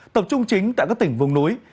tập trung chính tại các tỉnh vùng núi